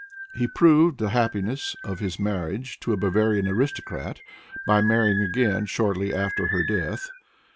He proved the happiness of his marriage to a Bavarian aristocrat by marrying again shortly after her death.